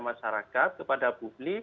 masyarakat kepada publik